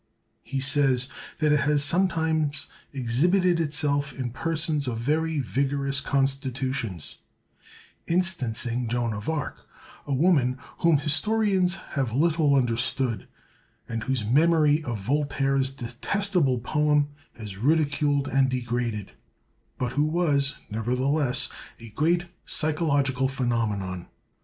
He says, that it has sometimes exhibited itself in persons of very vigorous constitutions, instancing Joan of Arc, a woman, whom historians have little understood, and whose memory Voltaire's detestable poem has ridiculed and degraded, but who was, nevertheless, a great psychological phenomenon.